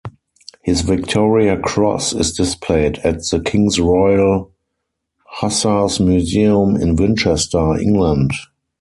His Victoria Cross is displayed at The King's Royal Hussars Museum in Winchester, England.